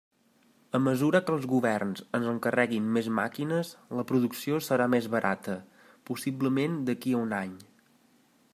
A mesura que els governs ens encarreguin més màquines, la producció serà més barata, possiblement d'aquí a un any.